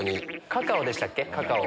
カカオでしたっけ。